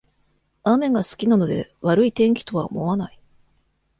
雨が好きなので悪い天気とは思わない